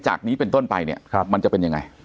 จากนี้เป็นต้นไปเนี่ยมันจะเป็นยังไง